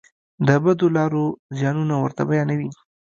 د بدو لارو زیانونه ورته بیانوي.